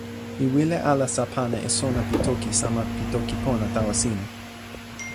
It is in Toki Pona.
mi wile alasa pana e sona pi toki sama pi toki pona tawa sina.